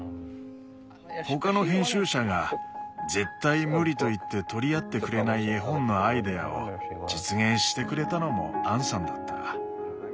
他の編集者が「絶対無理」と言って取り合ってくれない絵本のアイデアを実現してくれたのもアンさんだった。